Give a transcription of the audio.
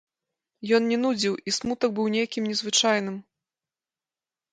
Ён не нудзіў, і смутак быў нейкім незвычайным.